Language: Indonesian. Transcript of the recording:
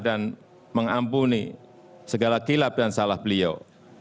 dan mengampuni segala kilap dan salah beliau